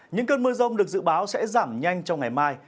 những cơn mưa rông được dự báo sẽ giảm nhanh trong ngày mai